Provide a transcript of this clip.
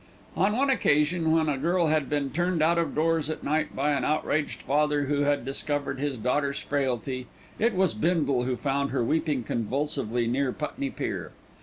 On one occasion when a girl had been turned out of doors at night by an outraged father who had discovered his daughter's frailty, it was Bindle who found her weeping convulsively near Putney Pier.